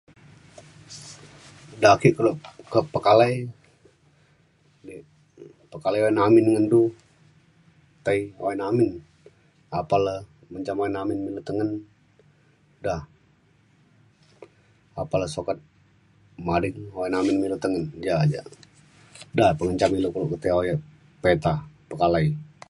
ja ake kelo pe- pekalai pekalai uyan amin ngan du tai uyan amin apan le menjam uyan amin de tengen da apan le sukat mading uyan amin me ilu tengen ja jak da pengenjam keluk ilu ke tai uyan pita pekalai